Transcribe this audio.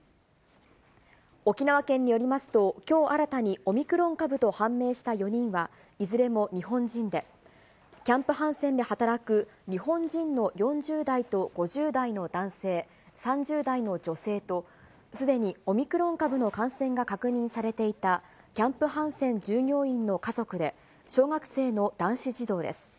沖縄県によりますと、きょう新たにオミクロン株と判明した４人は、いずれも日本人で、キャンプ・ハンセンで働く日本人の４０代と５０代の男性、３０代の女性と、すでにオミクロン株の感染が確認されていたキャンプ・ハンセン従業員の家族で、小学生の男子児童です。